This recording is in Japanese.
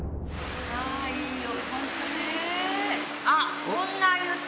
あっ女湯。